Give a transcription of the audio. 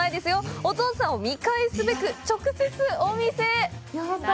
お父さんを見返すべく、直接お店へ。